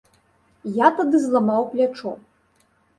Я тады зламаў плячо!